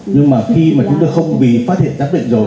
nhưng mà khi mà chúng tôi không bị phát hiện giám định rồi